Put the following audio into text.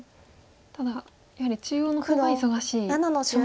ただやはり中央の方が忙しい。